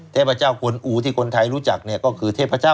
เทพพเจ้ากลอู๋ที่ใครรู้จักก็คือเทพพเจ้า